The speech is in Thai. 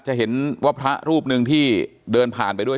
จะเห็นว่าพระรูปหนึ่งที่เดินผ่านไปด้วย